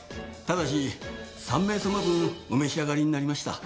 ただし３名様分お召し上がりになりました。